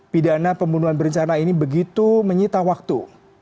pidana pembunuhan berencana ini begitu menyita waktu